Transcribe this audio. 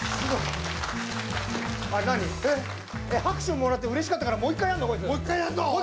拍手をもらってうれしかったからもう一回やるの？